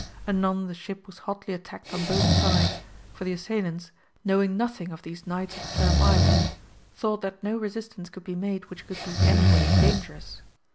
Anon the ship was hotly at tacked on both sides, for the assailants, knowing nothing of these Knights of the Firm Island, thought 126 AMADIS OF GAUL. that no resistance could be made which could be any way dangerous.